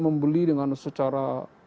membeli dengan secara